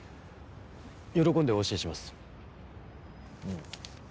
喜んでお教えします。